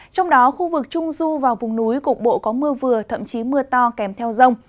trong đó khu vực trung du và vùng núi cục bộ có mưa vừa thậm chí mưa to kèm theo rông